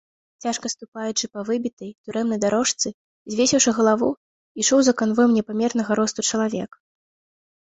Цяжка ступаючы па выбітай турэмнай дарожцы, звесіўшы галаву, ішоў за канвоем непамернага росту чалавек.